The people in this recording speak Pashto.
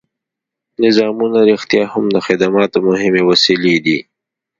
نظامونه رښتیا هم د خدماتو مهمې وسیلې دي.